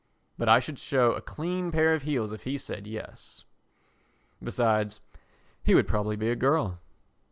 But I should show a clean pair of heels if he said "Yes." Besides, he would probably be a girl.